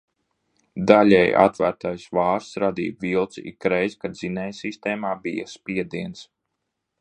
Daļēji atvērtais vārsts radīja vilci ikreiz, kad dzinējsistēmā bija spiediens.